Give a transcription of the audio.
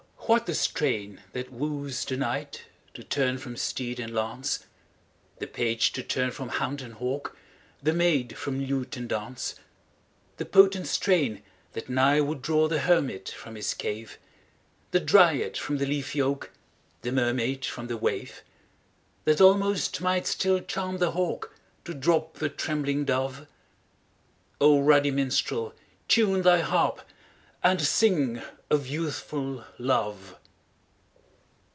what the strain that woos the knight To turn from steed and lance, The page to turn from hound and hawk, The maid from lute and dance ; The potent strain, that nigh would draw The hermit from his cave. The dryad from the leafy oak, The mermaid from the wave ; That almost might still charm the hawk To drop the trembling dove? ruddy minstrel, time thy harp. And sing of Youthful Love